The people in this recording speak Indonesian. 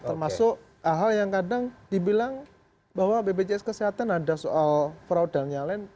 termasuk hal hal yang kadang dibilang bahwa bpjs kesehatan ada soal fraud dan yang lain